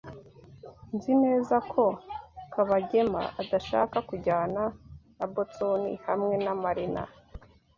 Nzi neza ko Kabagema adashaka kujyana na Boston hamwe na Marina.